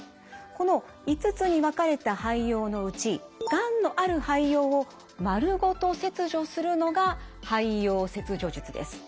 この５つに分かれた肺葉のうちがんのある肺葉をまるごと切除するのが肺葉切除術です。